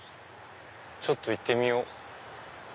ちょっと行ってみよう。